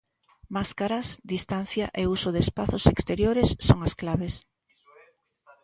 Máscaras, distancia e uso de espazos exteriores son as claves.